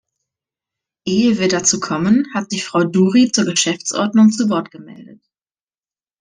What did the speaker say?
Ehe wir dazu kommen, hat sich Frau Dury zur Geschäftsordnung zu Wort gemeldet.